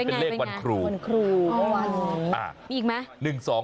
เป็นไงอ๋อมีอีกไหม